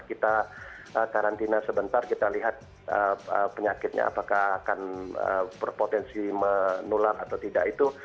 kita karantina sebentar kita lihat penyakitnya apakah akan berpotensi menular atau tidak itu